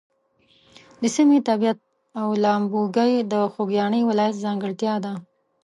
د سیمې طبیعت او لامبوګۍ د خوږیاڼي ولایت ځانګړتیا ده.